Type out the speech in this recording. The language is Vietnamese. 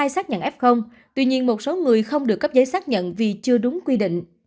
xác nhận f tuy nhiên một số người không được cấp giấy xác nhận vì chưa đúng quy định